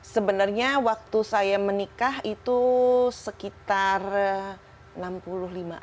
sebenarnya waktu saya menikah itu sekitar enam puluh lima an